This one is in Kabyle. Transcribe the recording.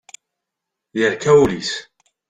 Yerka wul-is.